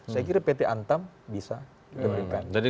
saya kira pt antam bisa diberikan